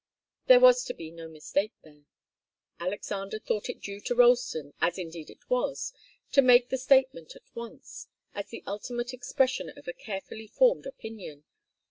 There was to be no mistake there. Alexander thought it due to Ralston, as indeed it was, to make the statement at once, as the ultimate expression of a carefully formed opinion.